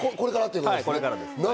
これからです。